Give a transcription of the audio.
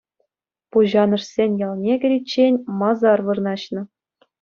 Пуҫанӑшӗсен ялне кӗриччен масар вырнаҫнӑ.